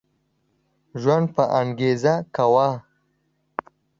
ژوند په انګيزه کوه